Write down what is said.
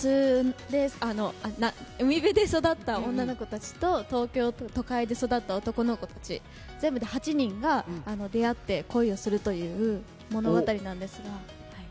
海辺で育った女の子たちと東京、都会で育った男の子たち全部で８人が出会って恋をするという物語なんですが。